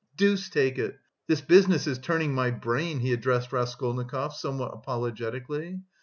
"Deuce take it! This business is turning my brain!" he addressed Raskolnikov somewhat apologetically.